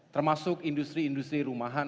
termasuk industri industri rumahan